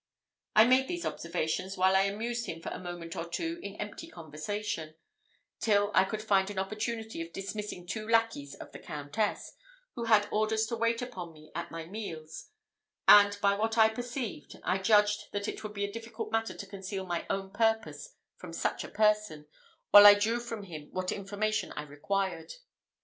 I made these observations while I amused him for a moment or two in empty conversation, till I could find an opportunity of dismissing two lackeys of the Countess, who had orders to wait upon me at my meals; and by what I perceived, I judged that it would be a difficult matter to conceal my own purposes from such a person, while I drew from him what information I required.